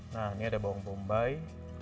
nah ini ada bawang bombay